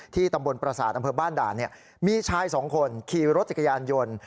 ตำบลประสาทอำเภอบ้านด่านมีชายสองคนขี่รถจักรยานยนต์